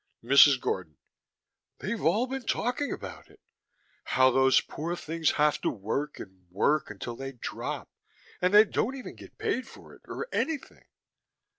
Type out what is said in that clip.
MRS. GORDON: They've all been talking about it, how those poor things have to work and work until they drop, and they don't even get paid for it or anything.